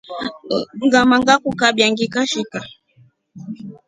Ngama ngrkukabya nikashika.